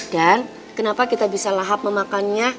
dan kenapa kita bisa lahap memakannya